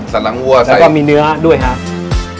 สันหลังวัวใส่แล้วก็มีเนื้อด้วยฮะ